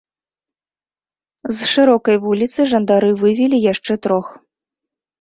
З шырокай вуліцы жандары вывелі яшчэ трох.